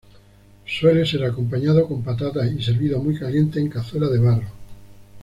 Suele ser acompañado con patatas y servido muy caliente en cazuela de barro.